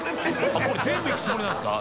これ全部いくつもりなんですか？